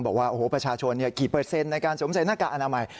บอกว่าโอ้โหประชาชนกี่เปอร์เซ็นต์ในการสวมใส่หน้ากากอนามัย